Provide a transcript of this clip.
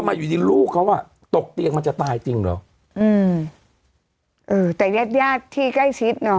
มาอยู่ดีลูกเขาอ่ะตกเตียงมันจะตายจริงเหรออืมเออแต่ญาติญาติที่ใกล้ชิดเนอะ